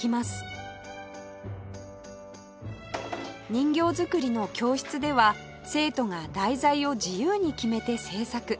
人形作りの教室では生徒が題材を自由に決めて制作